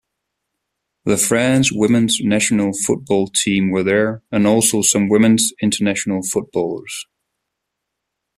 The France women's national football team were there and also some women's international footballers.